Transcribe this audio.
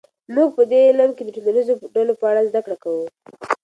موږ په دې علم کې د ټولنیزو ډلو په اړه زده کړه کوو.